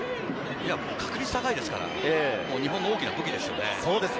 確率は高いですから、日本の大きな武器ですよね。